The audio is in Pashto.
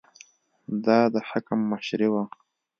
دا د حکم مشري وه.